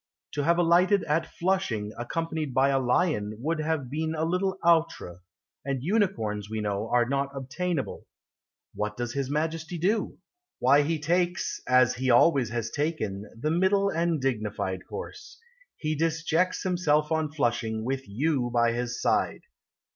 To have alighted at Flushing Accompanied by a Lion Would have been a little outré, And Unicorns, we know, Are not obtainable What does his Majesty do? Why he takes, as he always has taken, The middle and dignified course: He disjects himself on Flushing With You by his side.